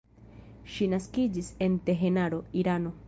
Ŝi naskiĝis en Teherano, Irano.